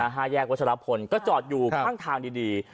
แยกวัชรพลก็จอดอยู่ข้างทางดี